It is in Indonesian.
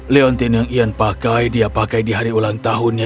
leontin yang ian pakai dia pakai di hari ulang tahunnya